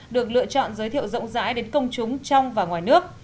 được lựa chọn giới thiệu rộng rãi đến công chúng trong và ngoài nước